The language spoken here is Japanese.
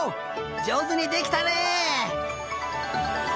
じょうずにできたね！